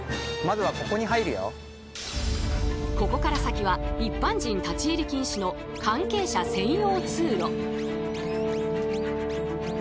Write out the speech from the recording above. ここから先は一般人立ち入り禁止の関係者専用通路。